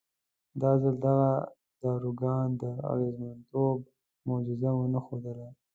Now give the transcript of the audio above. دا ځل دغه داروګان د اغېزمنتوب معجزه ونه ښودله.